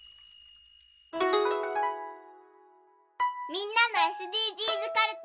みんなのＳＤＧｓかるた。